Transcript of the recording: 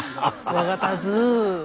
「わがたず」。